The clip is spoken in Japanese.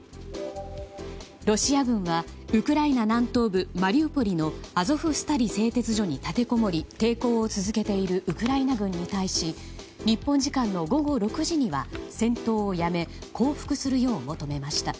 ロシア軍はウクライナ南東部マリウポリのアゾフスタリ製鉄所に立てこもり抵抗を続けているウクライナ軍に対し日本時間の午後６時には戦闘をやめ、降伏するよう求めました。